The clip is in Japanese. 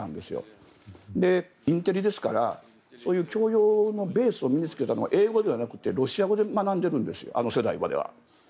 そしてインテリですからそういう教養のベースを身に着けたのは英語ではなくてロシア語で学んでいるんですあの世代までは。